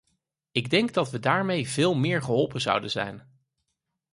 Ik denk dat we daarmee veel meer geholpen zouden zijn.